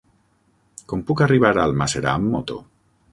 Com puc arribar a Almàssera amb moto?